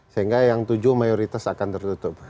sehingga yang tujuh mayoritas akan tertutup